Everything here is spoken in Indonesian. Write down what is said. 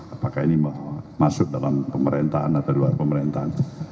apakah ini masuk dalam pemerintahan atau luar pemerintahan